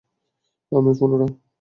আম্মি, phone উঠাও!